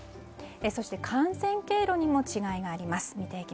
そして感染経路にも違いがあります。